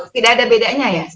tidak ada bedanya ya